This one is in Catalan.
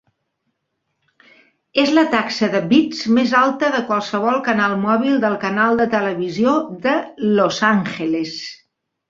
És la taxa de bits més alta de qualsevol canal mòbil del canal de televisió de Los Angeles.